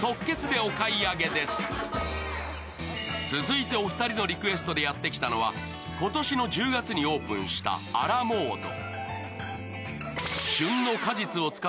続いてお二人のリクエストでやってきたのは、今年の１０月にオープンしたＡＬＡＭＯＤＥ。